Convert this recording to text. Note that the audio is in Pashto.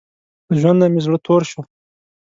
له ژوند نۀ مې زړه تور شو